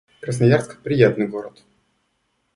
Красноярск — приятный город